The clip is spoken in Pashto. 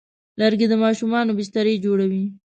لرګی د ماشومانو بسترې جوړوي.